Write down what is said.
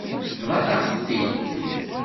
Bḍant-aɣ-t-id.